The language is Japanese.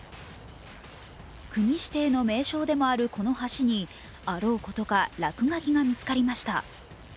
国指定の名勝でもあるこの橋にあろうことか落書きが見つかりました。